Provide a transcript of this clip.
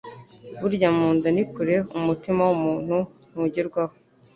burya mu nda ni kure umutima w’umuntu ntugerwaho»